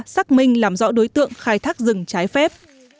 xác minh làm rõ đối tượng khai thác rừng trái phép